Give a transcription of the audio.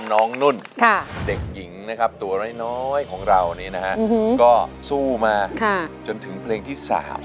นุ่นเด็กหญิงนะครับตัวน้อยของเรานี่นะฮะก็สู้มาจนถึงเพลงที่๓